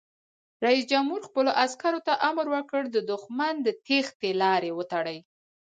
رئیس جمهور خپلو عسکرو ته امر وکړ؛ د دښمن د تیښتې لارې وتړئ!